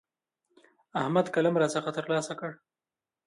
احمد قلم راڅخه تر لاسه کړ.